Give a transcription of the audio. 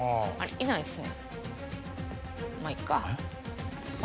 いないですね。